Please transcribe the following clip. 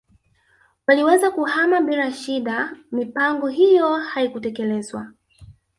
Waliweza kuhama bila shida mipango hiyo haikutekelezwa